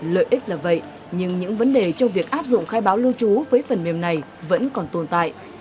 lợi ích là vậy nhưng những vấn đề trong việc áp dụng khai báo lưu trú với phần mềm này vẫn còn tồn tại